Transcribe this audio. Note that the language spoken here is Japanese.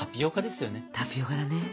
タピオカだね。